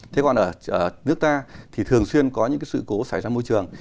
thế còn ở nước ta thì thường xuyên có những cái sự cố xảy ra môi trường